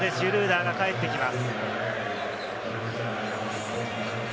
シュルーダーが帰ってきます。